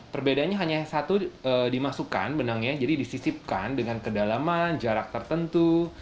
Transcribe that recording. perbedaannya hanya satu dimasukkan benangnya jadi disisipkan dengan kedalaman jarak tertentu